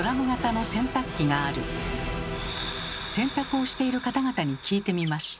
洗濯をしている方々に聞いてみました。